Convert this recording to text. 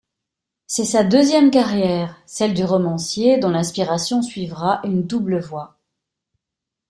C'est sa deuxième carrière, celle du romancier, dont l'inspiration suivra une double voie.